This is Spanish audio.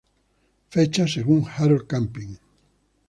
Fechas según Harold Camping.